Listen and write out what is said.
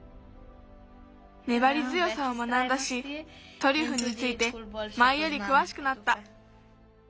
ねばりづよさを学んだしトリュフについてまえよりくわしくなった。